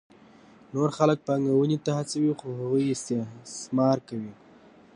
نور خلک پانګونې ته هڅوي څو هغوی استثمار کړي